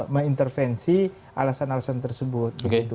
mengintervensi alasan alasan tersebut